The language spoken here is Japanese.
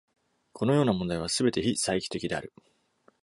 このような問題はすべて非再帰的である。